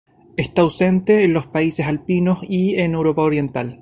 Está ausente en los países alpinos y en Europa Oriental.